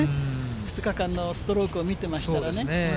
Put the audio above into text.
２日間のストロークを見てましたらね。